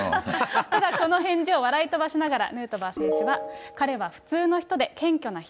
ただ、この返事を笑い飛ばしながら、ヌートバー選手は、彼は普通の人で、謙虚な人。